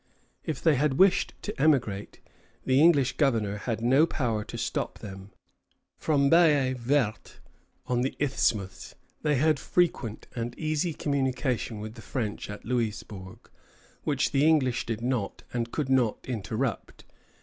If they had wished to emigrate, the English governor had no power to stop them. From Baye Verte, on the isthmus, they had frequent and easy communication with the French at Louisbourg, which the English did not and could not interrupt.